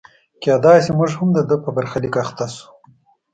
کېدای شي موږ هم د ده په برخلیک اخته شو.